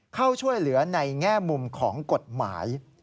เข้าช่วยเหลือในแง่มุมของกฎหมาย